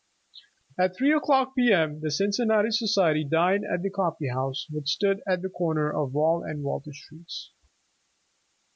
"At three o'clock P. M. the Cincinnati Society dined at the Coffee House, which stood on the corner of Wall and Water Streets.